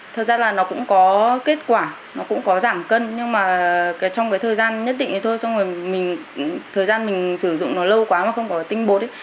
thực ra là nó cũng có kết quả nó cũng cólove cl live annea week ví dụ như mấy of my youtube goond